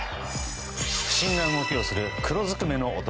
不審な動きをする黒ずくめの男。